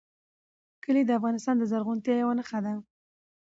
کلي د افغانستان د زرغونتیا یوه نښه ده.